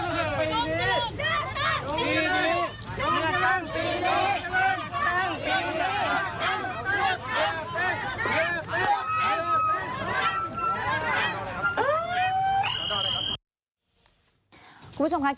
จึงความพยายามในการเลือกการเลือกตั้ง